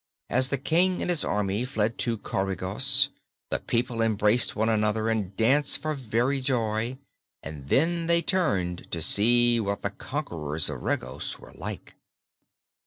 As the King and his army fled to Coregos, the people embraced one another and danced for very joy, and then they turned to see what the conquerors of Regos were like.